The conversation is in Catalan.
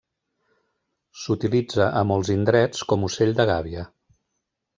S'utilitza a molts indrets com ocell de gàbia.